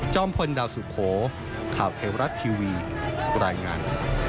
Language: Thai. พลดาวสุโขข่าวเทวรัฐทีวีรายงาน